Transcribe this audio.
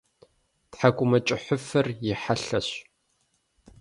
Тхьэкӏумэкӏыхьыфэр и хьэлъэщ.